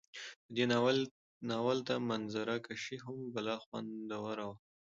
په دې ناول ته منظره کشي هم بلا خوندوره وه